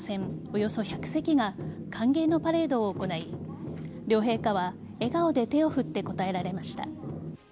およそ１００隻が歓迎のパレードを行い両陛下は笑顔で手を振って応えられました。